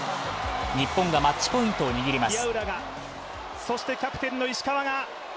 日本がマッチポイントを握ります。